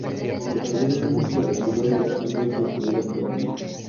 Posteriormente se retiró, dedicándose a su vida privada.